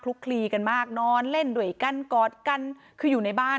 คลีกันมากนอนเล่นด้วยกันกอดกันคืออยู่ในบ้าน